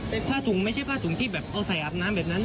ผ้าถุงไม่ใช่ผ้าถุงที่แบบเอาใส่อาบน้ำแบบนั้น